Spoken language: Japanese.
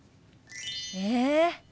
え？